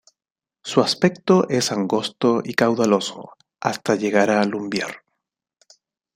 Su aspecto, es angosto y caudaloso, hasta llegar a Lumbier.